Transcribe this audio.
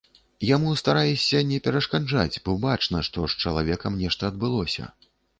Яму стараешся не перашкаджаць, бо бачна, што з чалавекам нешта адбылося.